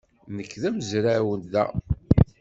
Nekk d amezraw da.